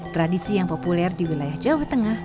tradisi yang populer di wilayah jawa tengah